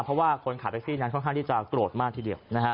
เพราะคนขาเมสซีนั้นค่อนข้างที่จะโกรธมากทีเดียว